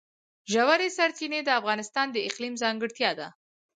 ژورې سرچینې د افغانستان د اقلیم ځانګړتیا ده.